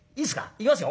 行きますよ。